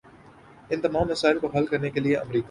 ان تمام مسائل کو حل کرنے کے لیے امریکہ